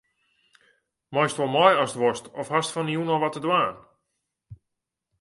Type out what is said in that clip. Meist wol mei ast wolst of hast fan 'e jûn al wat te dwaan?